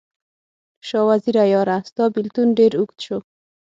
شاه وزیره یاره، ستا بیلتون ډیر اوږد شو